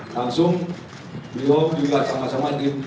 langsung beliau juga sama sama tim